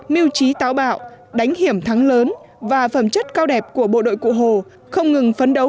mưu trí táo bạo đánh hiểm thắng lớn và phẩm chất cao đẹp của bộ đội cụ hồ không ngừng phấn đấu